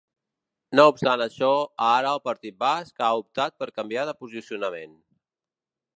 No obstant això, ara el partit basc ha optat per canviar de posicionament.